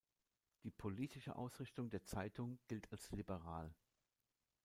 Die politische Ausrichtung der Zeitung gilt als liberal.